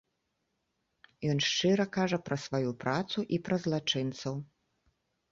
Ён шчыра кажа пра сваю працу і пра злачынцаў.